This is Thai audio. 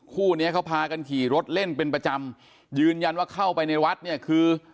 คู่เนี้ยเขาพากันขี่รถเล่นเป็นประจำยืนยันว่าเข้าไปในวัดเนี่ยคือ